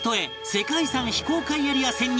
世界遺産非公開エリア潜入